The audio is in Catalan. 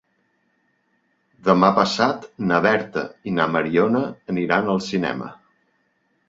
Demà passat na Berta i na Mariona aniran al cinema.